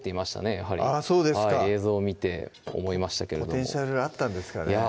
やはりあぁそうですか映像を見て思いましたけれどもポテンシャルあったんですかねいや